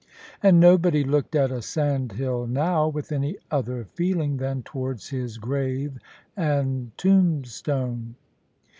And nobody looked at a sandhill now with any other feeling than towards his grave and tombstone.